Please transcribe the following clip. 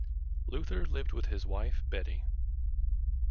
Luther lived with his wife, Betty.